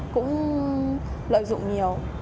cũng lợi dụng nhiều